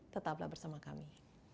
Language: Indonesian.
tetaplah bersama kami